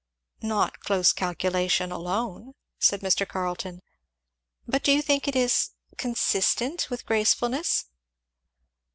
"Not close calculation alone," said Mr. Carleton. "But do you think it is consistent with gracefulness?"